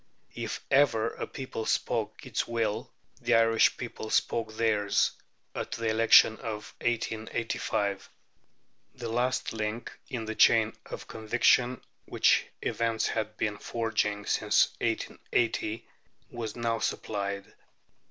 If ever a people spoke its will, the Irish people spoke theirs at the election of 1885. The last link in the chain of conviction, which events had been forging since 1880, was now supplied.